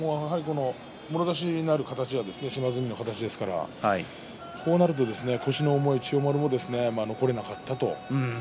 もろ差しになる形が島津海の形ですから、こうなると腰の重い千代丸も残れなかったと。